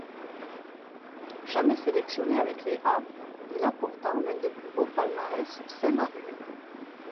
Jamais sélectionné avec les A, il a pourtant l'un des plus beaux palmarès saint-marinais.